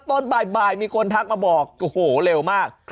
ตอนบ่ายมีคนทักมาบอกโอ้โหเร็วมาก